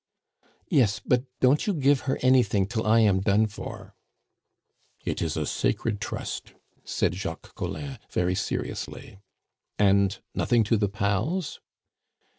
"Yes, but don't you give her anything till I am done for." "It is a sacred trust," said Jacques Collin very seriously. "And nothing to the pals?"